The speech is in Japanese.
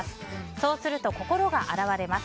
そうすると、心が洗われます。